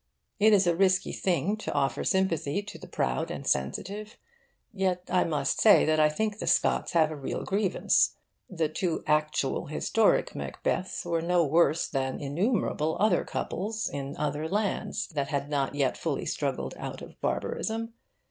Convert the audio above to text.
It is a risky thing to offer sympathy to the proud and sensitive, yet I must say that I think the Scots have a real grievance. The two actual, historic Macbeths were no worse than innumerable other couples in other lands that had not yet fully struggled out of barbarism.